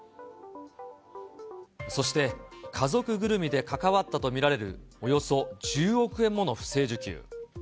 そして家族ぐるみで関わったと見られる、およそ１０億円もの不正受給。